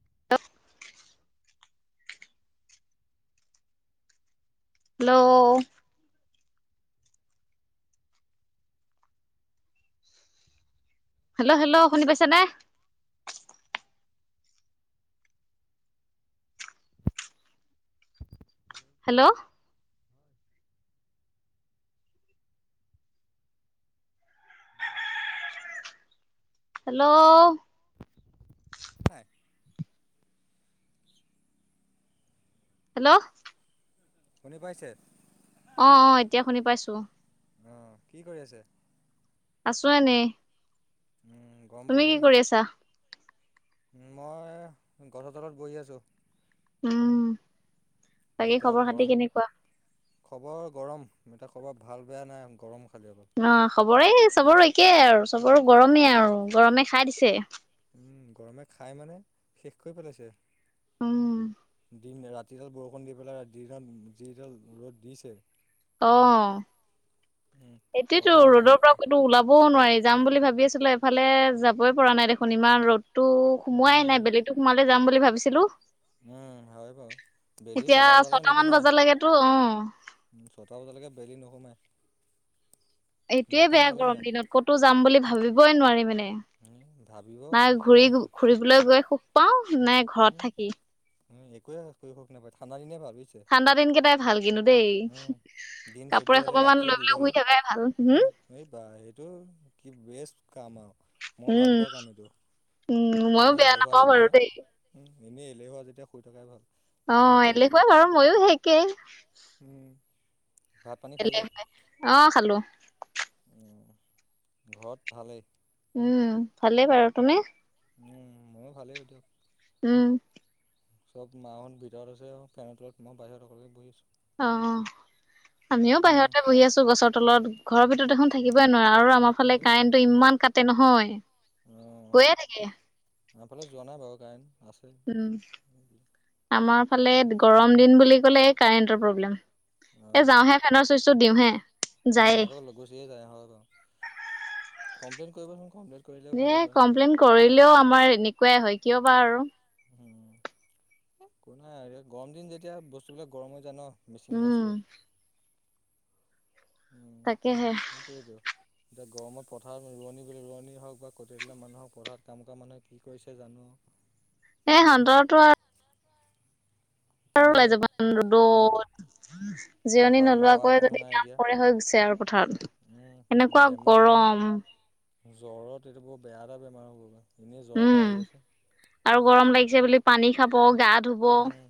[inaudible] Hello? Hello, hello শুনি পাইছ নে? হেল্ল'? হয় হেল্ল' হেল্ল'? হয়। হেল্ল'? শুনি পাইছে? অ', অ', এতিয়া শুনি পাইছোঁ। আহ কি কৰি আছে? আছোঁ এনে। উম গৰম তুমি পৰিছে কি নাই কৰি আছা? মই গছৰ তলত বহি আছোঁ। উম। বাকী খবৰ ভিতৰত খাতি গৰম কেনেকুৱা? খবৰ, গৰম এতিয়া খবৰ ভাল বেয়া নাই গৰম। খালি অকল অ, খবৰে, চবৰে একেই আৰু চবৰে গৰমেই আৰু গৰমে খাই দিছে। উম, গৰমে খাই মানে শেষ কৰি পেলাইছে। উম। ৰাতিডাল বৰষুণ দি পেলাই যিডাল ৰ'দ দিছে। অ, উম সেইটোৱেটো পথাৰৰ মানুহ ৰ'দৰ পৰা কতো ওলাবও নোৱাৰি। যাম বুলি ভাবি আছিলোঁ, এফালে যাবই পৰা নাই দেখোন ইমান ৰ'দ। সোমোৱাই উম নাই বেলি সোমালে যাম বুলি ভাবিছিলোঁ। উম হয় বাৰু, বেলি ছটা বজালৈকে ছটামান নোসোমাই। বজালৈকেতো অ উম ছটা বজালৈকে বেলি নোসোমাই। এইটোয়ে বেয়া খালে গৰম নাই দিনত ক'তো যাম বুলি ভাবিবই নোৱাৰি মানে। উম, ভাবিব নাই ঘূৰি ঘুৰিবলৈ গৈ সুখ পাওঁ নে উম, ঘৰত থাকি। [unintelligible] ঠাণ্ডা দিনকেইটাই ভাল কিন্তু দেই। উম দিন কাপোৰ চুটি হ'লে এসোপা মান ৰাতিটো লৈ পেলাই দীঘল শুই হয়, থকাই ভাল হম উম এইবা সেইটো কি বেষ্ট কা‌ মই উম ভাল পোৱা কাম এইটো। উম ময়ো এনেই বেয়া এলেহুৱা নাপাওঁ আৰু যেতিয়া দেই। উম এনেই এলেহুৱা যেতিয়া শুই থকাই ভাল। ঘৰত অ' থাকি এলেহুৱা বাৰু ময়ো সেই একেই। উম। ভাত পানী খালে অ' খালোঁ। ঘৰত ভালেই? উম ভালেই বাৰু তুমি? ময়ো ভালেই দিয়ক। উম। চব মাহঁত ভিতৰত আছে ফেনৰ তলত মই বাহিৰতে বহি আছোঁ। অ' আমিও উম বাহিৰতে বহি আছোঁ গছৰ তলত। ঘৰৰ ভিতৰত দেখোন থাকিবই নোৱাৰে আৰু আমাৰ ফালে এই কাৰেণ্টটো ইমান কাটে নহয়, গৈয়ে থাকে। এইফালে যোৱা নাই বাৰু কাৰেণ্ট। আছে। আমাৰফালে উম, গৰম দিন বুলি আমাৰ ফালে গৰম দিন বুলি কলে কাৰেণ্টৰ প্ৰব্লেম। এ অঁ যাওহে ফেনৰ চুইচো দিওঁহে অঁ যায়ে। আকৌ গুচিয়ে যায় হয় বাৰু কমপ্লেইন কৰিব ন। এ কমপ্লেইন কৰিলেও আমাৰ এনেকুৱাই হয় কিয় বাাৰ আৰু। উম কো নাই গৰম দিন যেতিয়া বস্তুবিলাক গৰম হৈ যায় ন। মিচিং উম বস্তু। উম তাকেহে। সেইটোৱেইটো। এতিয়া গৰমত পথাৰত ৰোৱনী বুলি ৰোৱনীয়ে হওক বা কট দালা মানুহক পথাৰত কাম কৰা মানুহে, কি কৰি জানো। হয়। এই সান্দৰো আৰু পানী ৰদত, উম জিৰণি পথাৰ হাৱা নোলোৱাকৈয় অকণো যদি নাই কাম এতিয়া। কৰে হৈ গৈছে আৰু। াৰ পথাৰত উম এনেকুৱা বেমাৰ মানে গৰম। জ্বৰত এইটো বৰ বেয়া এটা বেমাৰ হ'ব বা এনেই জ্বৰ উম এটা আহি আছে। আৰু গৰম লাগিছে বুলি পানী খাব গা ধুব, উম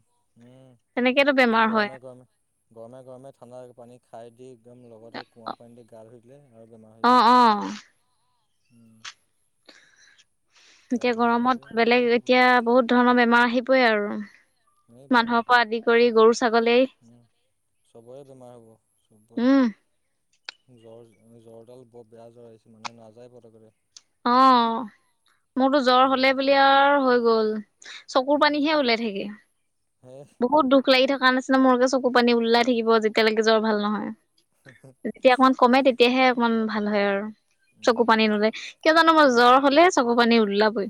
উম তেনেতো বেমাৰ হয়। গৰমে গৰমে গৰমে গৰমে ঠাণ্ডা পানী খাই দি একদম লগতে কুঁৱা পানী দি গা ধই অ' অ'। উম। এতিয়া তাকে সেইটোৱে গৰমত আৰু কি বেলেগ ক'ব। এতিয়া বহুত ধৰণৰ বেমাৰ আহিবই আৰু। এই বা মানুহৰ পৰা আদি কৰি গৰু ছাগলী। চবৰে বেমাৰ হ'ব, উম চবৰে জ্বৰ জ্বৰডাল বৰ বেয়া জ্বৰ আহিছে মানুহ নাযায় পতকৰে। অ'। মোৰতো জ্বৰ হলে সেইটোৱে। বুলি আৰু হৈ গল, চকুৰ উম। পানীহে ওলাই থাকে। হে বহুত দুখ লাগি থকাৰ নিচিনা মোৰকে চকু পানী ওলাই থাকিব যেতিয়ালৈকে জ্বৰ ভাল নহয়। যেতিয়া অকমান কমে তেতিয়াহে অকমান ভাল হয় আৰু, চকু উম পানী নোলে কিয় ম জ্বৰ হলে চকু পানী উওললাবই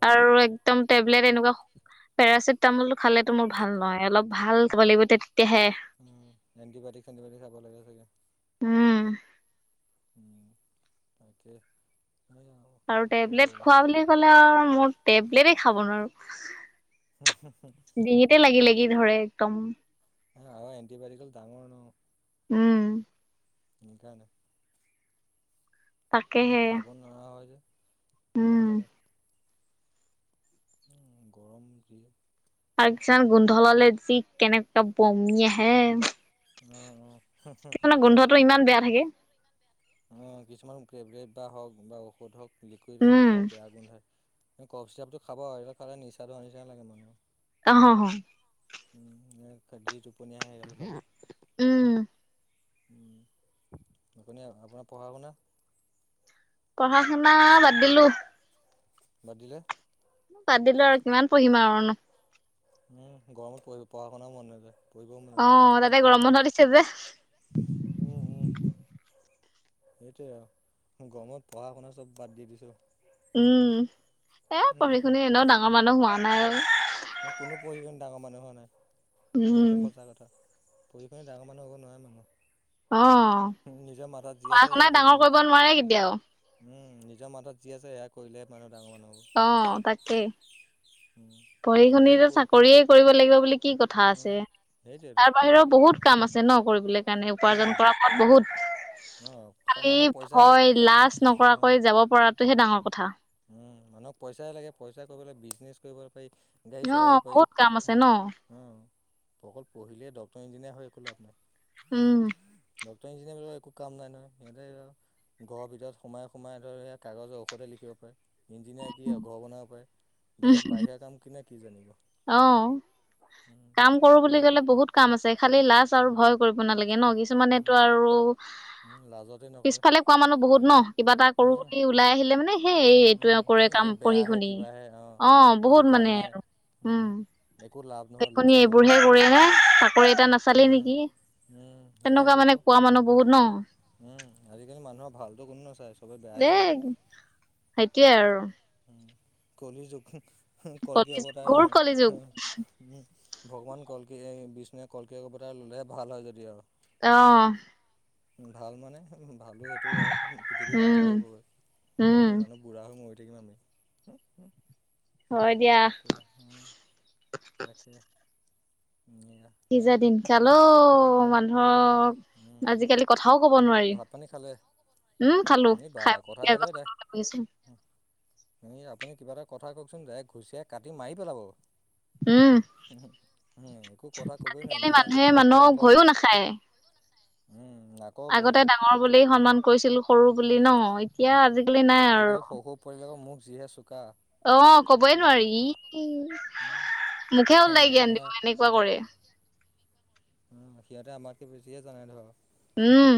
অ আৰু, এক একম টেবলেট এনেকুৱা, পেৰাচিটামল খালেতো মোৰ ভাল নহয় অলপ ভাল খাব লাগিব। তেতিয়াহে উ এণ্টিবায়টিক চেটিবায়টিক চাব লাগে চাগে। উম। উম। তাকে। সেয়া আৰু কি ক'ব। টেবলেট খোৱা বুলি ক'লে আৰু মোৰ, টেবলেটেই খাব নোৱাৰো। ডিঙিতে [inaudible] [unintelligible] ধৰে একদম। অ', আৰু এণ্টিবায়টিক [unintelligible] ডাঙৰও ন'? উম। সেইকাৰণে। তাকেহে এ খাব নোৱাৰা হৈ যে! উম। [unintelligible] [unintelligible] আৰু কিছুমান গোন্ধ লালে যি কেনেকুৱা বমি আহে। অ', অ', কি মানে গোন্ধটো ইমান বেয়া থাকে। অঁ, কিছুমান টেবলেট হওঁক বা ঔষধ হওঁক লিকুইড উম বৰ বেয়া গোন্ধ হয়। এ কফচিৰাপটো খাব আৰু, [unintelligible] খালে নিচা নিচা ধৰা নিচিনা লাগে [unintelligible] অহ, অহ, অহ। উম, [unintelligible] জি টোপনী আহে [unintelligible] খালে। উম উম, [unintelligible] আপোনাৰ পঢ়া শুনা? পঢ়া শুনা বাদ দিলো। বাদ দিলে? বাদ দিলো আৰু, কিমান পঢ়িম আৰু ন'? উম, গৰমত পঢ় পঢ়া শুনাও মন নাযায়। পঢ়িবও মন নাযায় অঁ, তাতে গৰম বন্ধ দিছে যে। উম, উম। সেইটোয়ে অ। গৰমত পঢ়া শুনা চ'ব বাদ দি দিছোঁ। উম, এ পঢ়ি শুনি এনেও ডাঙৰ মানুহ হোৱা নাই ঔ। এ কোনো পঢ়ি কিনে ডাঙৰ মানুহ হোৱা নাই। উম সটো সঁচা কথা। পঢ়ি পিনে ডাঙৰ মানুহ হ'ব নোৱাৰে মানুহ। অঁ। নিজৰ মাথাত যি পঢ়া আছে শুনাই সেয়াতে ডাঙৰ কৰিব নোৱাৰে কেতিয়াও। উম, নিজৰ মাথাত যি আছে সেয়া কৰিলেহ মানে অঁ, তাকেই। উম। পঢ়ি শুনি এনেই যে পঢ় চাকৰিয়ে কৰিব লাগিব বুলি কি কথা আছে! উম সেইটোৱেতো তাৰ বাহিৰেও বহুত কাম আছে ন' কৰিবলৈ কাৰণে। উপাৰ্জন অ কৰা কাম বহুত। অ খালি মানুহক পইচাই ভয় লাজ উম নকৰাকৈ যাব পৰাটোহে ডাঙৰ কথা। উম, মানুহক পইচাহে লাগে, পইচা কৰিবলে বিজনেচ কৰিব পাৰি। গাড়ী অ চলাব পাৰি, বহুত কাম আছে ন উম। উম। অকল পঢ়িলে ডক্তটৰ ইঞ্জিনিয়াৰ হৈ একো লাভ নাই। উম। ডটৰ ইঞ্জিনিয়াৰ বিলাকৰ একো কাম নাই নহয়, সিহঁতে ঘৰৰ ভিতৰত সোমাই সোমাই ধৰ সেয়া কাগজৰ ঔষধে লিখিব পাৰে। ইঞ্জিনিয়াৰ কি আৰু ঘৰহে বনাব পাৰে। বেলেগ বাহিৰা কাম [unintelligible] কি জানিব। অঁ, উম, কাম কৰো বুলি হয়। কলে বহুত কাম আছে। খালি লাজ উম, আৰু ভয় কৰিব নালাগে ন'! কিছুমানেতটো উম, আৰু উম, লাজতে নকৰে। পিছফালে কোৱা মানুহ বহুত ন'। কিবা এটা কৰো উম, ওলাই আহিলে মানে এ এই উম, এইটোৱে কৰে এইটো কাম পঢ়ি বেয়াহে শুনি। কিবাহে অ'। অঁ, একো বহুত কাম মানে নাই, আৰু। উম। একো লাভ নহয় [unintelligible] লোকচান হ'ব এইবোৰ হে তোৰ। কৰিলে, চাকৰি এটা নাচালি উম, নেকি। উম, সেয়াহে তেনেকুৱা ক'ব, মানে কোৱা মানুহ বহুত ন'। উম, আজিকালি মানুহৰ ভালতো কোনো নাচায়, চবে বেয়াই চায়। সেইটোৱে আৰু। কলিৰ য কল কি কলিযুগ অৱতাৰ ঘোৰ কলিযুগ উ ভগৱান কলকি এই বিষ্ণুৱে কলকিপ এটা ল'লেহে ভাল হয় যদি আৰু অহ উ ভাল মানে ভালো সেইটো আৰু পৃথিৱীৰত অংশ উম হৈ উম গ মানুহ বুঢ়া হৈ মৰি আমি হয় দিয়া তাকে উম উম, পিজা দিনকালো উম মানুহৰ আজিকালি কথাও কব নোৱাৰি ভাত পানী খালে উম খালো এই বা খাইছছো এ আপুনি কিবা এটা কথা কওকচোন য ঘুচিয়াই কাটি মাৰি পেলাব উম, উম একো কথা কবই নোৱাৰি আজিকালি মানুহে আজি খংটো মানুহক নাকক ভয়ো নাখায়। উম, নাকৰ আগতে ওপৰতে ডাঙৰ বুলি সন্মান কৰিছিলো সৰু বুলি ন এতিয়া আজিকালি নাই আৰু আজিকালি সৰু সৰু পোৱালিবিলাকৰ মুখ যিহে চোকা অ', কবই বা নোৱাৰি মুখে হে ওলাই জ্ঞান আপোনাৰ দিব এনেকুৱা কৰে উম সিহঁতে আমাকে বেছিয়ে জানাই ধৰ উম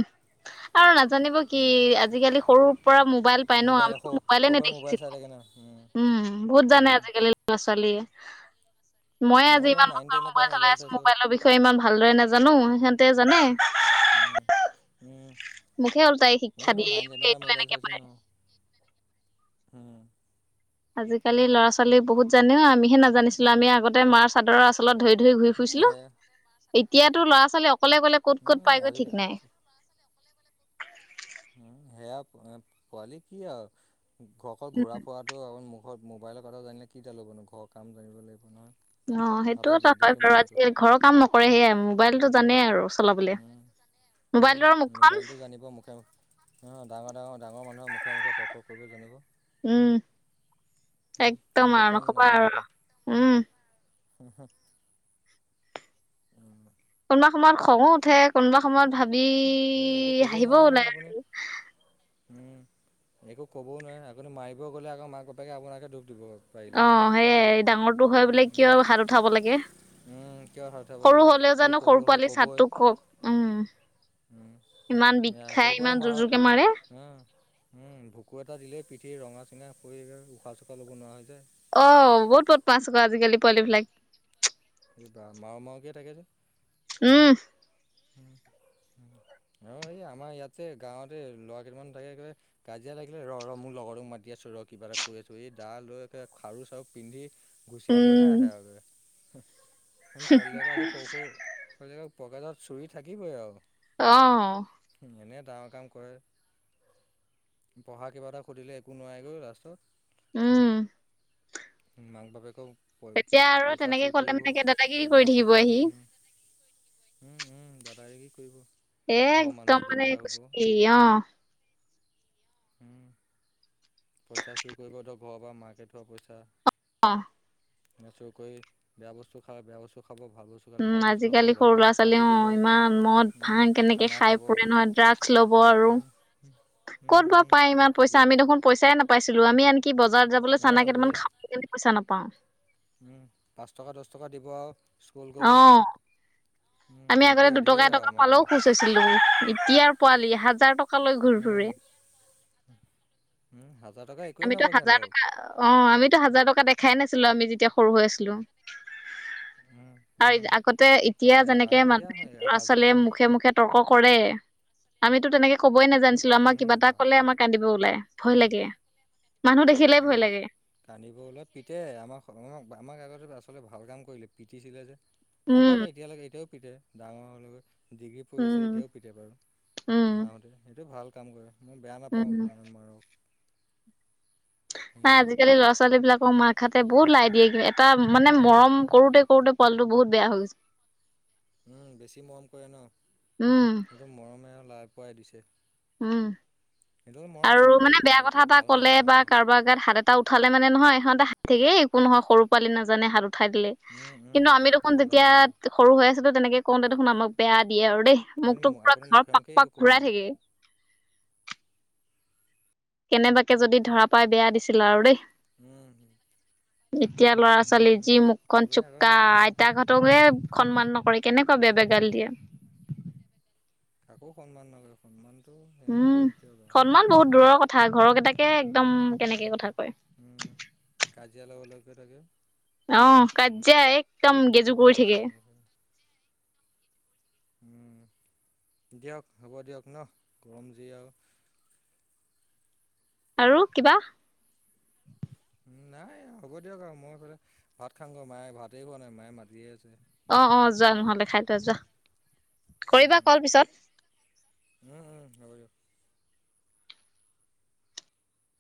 আৰু ন জানিব কি আজিকালি সৰুৰ পৰা মোবাইল পাই ন মোবাইল সৰু আমিতো মোবাইলে সৰুৰ পৰা মোবাইল চাই নেদেখিছিলো থাকে ন উম বহুত জানে উম আজিকালি ল'ৰা ছোৱালীয়ে মইে ময়ো আজি ধৰ ইমান নাইন বছৰ টেনৰ পৰাই মোবাইল চলাই আছো চাইছোঁ মোবাইলৰ বিষয়ে ইমান ভালদৰে নাজানো স তে জানে। উম। মোকহে ওলতাই শিক্ষা ময়ো ধৰ দিয়ে, এইটো এনেকে পালে। হম। আজিকালি ল'ৰা ছোৱালী বহুত জানে অ। আমিহে নাজানিছিলো, আমি আগতে মাৰ চাদৰৰ আচলত ধৰি ধৰি ঘূৰি উম, ফুৰিছিলো সেয়া এতিয়াতো ল'ৰা ছোৱালী অকলে অকলে ক'ত ক'ত উম, পাইগৈ আজি ঠিক নাই। উম, সেয়া পোৱালি কি আৰু ঘৰ অকল ঘূৰা ফুৰাটোক ঘৰত মোবাইলৰ কথা জানিলে কিডাল হ'বনো ঘৰৰ কাম জানিব লাগিব নহয়। অ', সেইটো হাতৰ এটা হয় বিদ্যাটো বাৰু, মেইনটো আজিকালি ঘৰৰ কাম নকৰে, সেয়াই মোবাইলটো জানেই আৰু। চলাবলে। উম, উম। মোবাইলটোৰ মুখখন মোবাইলটো জানিব মুখে মো, ডাঙৰ ডাঙৰ। ডাঙৰ মানুহৰ মুখে মুখে তৰ্ক কৰিব জানিব। উম উম, একদম বেলেগ আৰু কাম নকবা নাই আৰু। মুখত উম। উম, হুম। কোনোবা সময়ত খঙো উঠে, কোনোবা সময়ত ভ বি উম, একো ক'ব হাহিব নোৱাৰে ওলাই নহয় আপুনি আৰু। একো ক'বও নোৱাৰে, আপুনি মাৰিব গ'লে আকৌ মাক বাপেকে আপোনাকে দোষ দিব। পাৰিলে। অ', সেয়াই ডাঙৰটো হৈ পেলাই কিয় উম হাত উঠাব লাগে? উম, কিয় হঠাব সৰু লাগে হ'লেও সি জানো সৰু হয় পোৱালি ক'বই চাদটোক হওক, উম। উম ইমান বিষ হ খাই ইমান পাৰে জোৰ জোৰকে মপ মাৰে। হম। উম, ভুকু এটা দিলেই পিঠি ৰঙা চিঙা পৰি উশাহ চুখাহ ল'ব নোৱাৰা হৈ যায়। অ', বহুত বদমাছ আক' আজিকালি পোৱালি বিলাক। বাহ, মাৰো মাৰো কে থাকে যে। উম। উম। অ', এই আমাৰ ইয়াত যে গাঁৱতেই ল'ৰা কেইটামান থাকে, একেবাৰে কাজিয়া থাকিলেই ৰ ৰ মোৰ লগৰটোক মাতি আছো। কিবা এটা কৈ আছো, এই দা লৈ খাৰু চাৰু পিন্ধি ঘূচিয়াবহে উম আহে আৰু। পোৱালিবিলাকৰ আজি সৰু সৰু পকেটত চুৰি থাকিবই আৰু। অহ। এনে ডাঙৰ কাম কৰে, পঢ়া কিবা এটা সুধিলে একো নোৱাৰেগৈ লাষ্টত। উম। মাক বাপেকক তেতিয়া আৰু পইচা তেনেকে চুৰ কলে কৰিব মানে কি দাদাগিৰি কৰি থাকিব আহি। উম, উম দাদাগিৰি একদম মানে কচুগুটি অহ। উম। পইচা চুৰ কৰিব ধৰ ঘৰৰ পৰা, মাকে থোৱা পইচা। অহ। লুকাই চুৰকৰি বেয়া বস্তু খাই, বেয়া বস্তু খা উম, আজিকালি সৰু ল'ৰা পাৰ্টি ছোৱালীও দিব ইমান মদ উম ভাং কেনেকে খানা খাই খাব পুৰে নহয় ড্ৰা লব আৰু, উম উম কত বা উম পাই কি ইমান ক'ব পইচা, আমি দেখোন পইচাই নাপাইছিলোঁ। আমি এনেকে কি বজাৰত যাবলৈ অঁ চানা ভেই কেইটামান খাওঁ বুলি কলেই পইচা নাপাও। পাঁচ টকা দহ টকা দিব আৰু স্কুল অ গ'লেই আমি আগতে দুটকা এটকা পালেও খুছ হৈছিলো। এতিয়াৰ পোৱালি হাজাৰ টকা টকালৈ ঘূৰে উম, ফুৰে। উম, হাজাৰ টকা একোৱেই আমিতো নহ'ব হাজাৰ সিহঁতক টকা অহ আমিতো হাজাৰ টকা দেখ খাই নাছিলো, আমি যেতিয়া সৰু হৈ আছিলো উম, আৰু উম, আগতে এতিয়া যেনেকে আৰু এতিয়া মানুহে ল'ৰা হাজ ছোৱালীয়ে মুখে মুখে তৰ্ক কৰে, আমিতো তেনেকে কব কবই নোজানিছিলো। আমাৰ উম, কিবা এটা বা কলে আমাক কান্দিব ওলাই, ভয় উম, লাগে, মানুহ দে উম, কান্দিব ওলাই, পিতে আমাক আমাক আমাক আগতে আচলতে ভাল কাম কৰিলে পিটিছিলে যে মোক বাৰ উম দে এতিয়ালৈকে এতিয়াও পিটে ডাঙৰকে ডিগ্ৰী পৰি আছোঁ উম এতিয়াও পিটে বাৰু উম মাহতে সেইটো ভাল কাম কৰে মই বেয়া নাপাওঁ উম মাৰাৰক নাই আজিকালি ল'ৰা ছোৱালী বিলাক অ', মাক হাতে বহুত লাই দিয়ে কি এটা মানে মৰম কৰোতে কৰোতে পোৱালিটো বহুত বেয়া হৈ গৈছে। উম বেছি মৰম কৰে ন উম কি মৰমে লাই পোৱাই দিছে। উম। সেইটো মৰম আৰু মানে আচলতে বেয়া কথা একো এটা ভাল কলে মৰম বা নহয় কাৰোবাৰ গাত হাত এটা উঠালে মানে নহয় সিহঁতে থাকে একো নহয় সৰু পোৱালি নাজানে হা উঠাই দিলে উম কিন্তু উম আমি দেখোন যেতিয়া নাজানে অ সৰু হৈ আছিলো তেনেকে কওঁতে দেখোন আমাক বেয়া দিয়ে আৰু দেই মোক আপুনি তোক পুৰা আপুনি ঘৰৰ মুখে পাক মুখে পাক একো ক'ব ঘূৰাই নোৱাৰে থাকে কেনেবাকে যদি ধৰা পাই বেয়া দিছিল আৰু দেই উম। এতিয়া লৰা ছোৱালী উম যি উম মুখখন আপুনি আগৰ চুকা মা আইতা হতকে সন্মান নকৰে কেনেকুৱা বেয়া বেয়া গালি দিয়ে কাকো সন্মান নালয় সন্মান উম সন্মান বহুত দূৰৰ কথা ঘৰ কেইটাকে একদম কেনেকে কথা কয় উম কাজিয়া লগাও লগাও কৰে থাকে অহ কাজিয়া একদম গেজু চব কৰি কাজিয়া লগ থাকে। দিয়ক হ'ব দিয়ক ন গৰম যি আৰু। আৰু কিবা। উম নাই হ'ব দিয়ক আৰু মইফে ভাত খামংগৈ মায়ে ভাতেই খোৱা নাই মায়ে মাতিয়ে আছে অ', অ', যোৱা নহলে খাই থোৱা যোৱা উম কৰিবা উম ক'ল পিছত। উম, উম। হ'ব দিয়ক